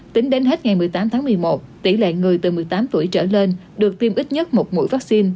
tính đến hết ngày một mươi tám tháng một mươi một tỷ lệ người từ một mươi tám tuổi trở lên được tiêm ít nhất một mũi vaccine